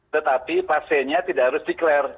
tetapi pasiennya tidak harus declare